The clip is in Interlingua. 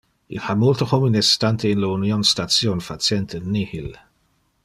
Il ha multe homines stante in Union Station facente nihil.